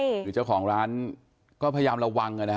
หรือเจ้าของร้านก็พยายามระวังนะฮะ